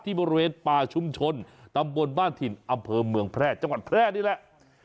บริเวณป่าชุมชนตำบลบ้านถิ่นอำเภอเมืองแพร่จังหวัดแพร่นี่แหละ